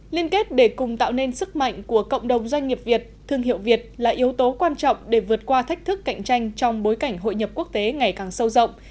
liên kết để cùng tạo nên sức mạnh của cộng đồng doanh nghiệp việt thương hiệu việt là yếu tố quan trọng để vượt qua thách thức cạnh tranh trong bối cảnh hội nhập quốc tế ngày càng sâu rộng